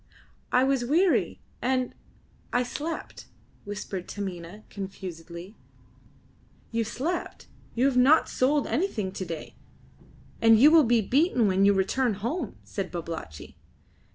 "I was weary, and I slept," whispered Taminah, confusedly. "You slept! You have not sold anything to day, and you will be beaten when you return home," said Babalatchi.